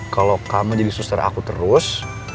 kalau kamu jadi suster aku terus